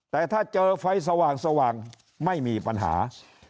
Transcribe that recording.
แต่ถ้าเจอไฟสว่างไม่มีปัญหา